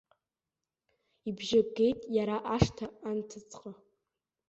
Ибжьы геит иара ашҭа анҭыҵҟа.